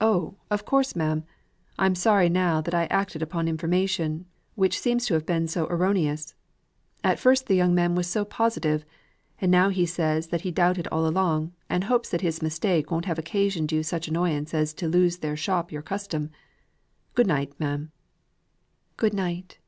"Oh, of course, ma'am. I'm sorry now that I acted upon information, which seems to have been so erroneous. At first the young man was so positive; and now he says that he doubted all along, and hopes that his mistake won't have occasioned you such annoyance as to lose their shop your custom. Good night, ma'am." "Good night."